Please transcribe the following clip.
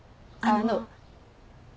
あの。